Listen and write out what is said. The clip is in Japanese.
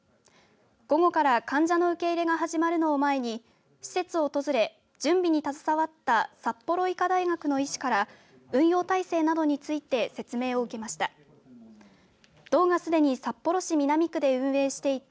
午後から患者の受け入れが始まるのを前に施設を訪れ準備に携わった札幌医科大学の医師から運用体制などについて説明を受けました。